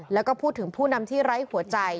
แล้วก็พูดถึงผู้นำที่ไร้หัวใจ